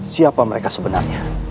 siapa mereka sebenarnya